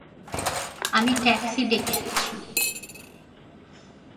আমি ট্যাক্সি ডেকে আনছি।